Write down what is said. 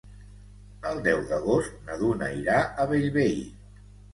El deu d'agost na Duna irà a Bellvei.